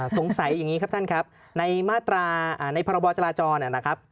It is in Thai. อย่างนี้ครับท่านครับในมาตราในพรบจราจรนะครับ